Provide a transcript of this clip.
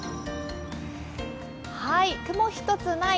雲一つない